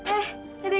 eh ada ikan